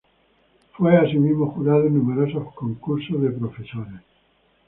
Fue asimismo jurado en numerosos concursos de profesores.